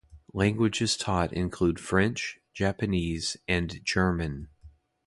Languages taught include French, Japanese, and German.